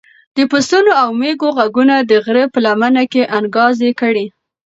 د پسونو او مېږو غږونه د غره په لمنه کې انګازې کړې.